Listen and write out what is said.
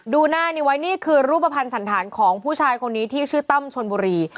ดูหน้านี้ไว้นี่คือรูปภัณฑ์สันธารของผู้ชายคนนี้ที่ชื่อตั้มชนบุรี